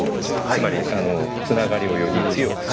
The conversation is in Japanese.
つまりつながりをより強くする。